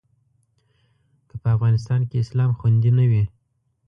که په افغانستان کې اسلام خوندي نه وي.